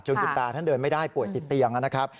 คุณตาท่านเดินไม่ได้ป่วยติดเตียงนะครับ